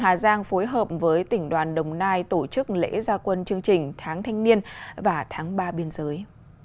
hà giang phối hợp với tỉnh đoàn đồng nai tổ chức lễ gia quân chương trình tháng thanh niên và tháng ba biên giới